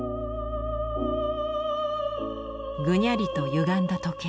ぐにゃりとゆがんだ時計。